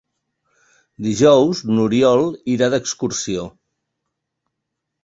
Dijous n'Oriol irà d'excursió.